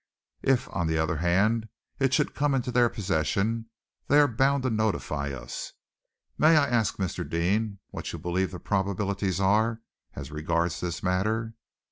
If, on the other hand, it should come into their possession, they are bound to notify us. May I ask, Mr. Deane, what you believe the probabilities are as regards this matter?"